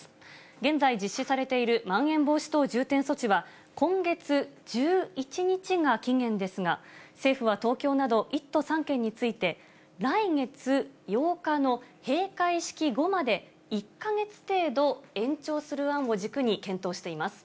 現在、実施されているまん延防止等重点措置は今月１１日が期限ですが、政府は東京など１都３県について、来月８日の閉会式後まで１か月程度延長する案を軸に検討しています。